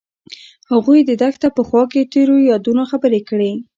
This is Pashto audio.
هغوی د دښته په خوا کې تیرو یادونو خبرې کړې.